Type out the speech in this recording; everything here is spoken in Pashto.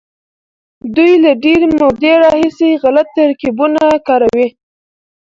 دوی له ډېرې مودې راهيسې غلط ترکيبونه کاروي.